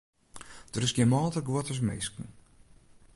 Der is gjin mâlder guod as minsken.